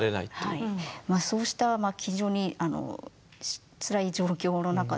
そうした非常につらい状況の中ですね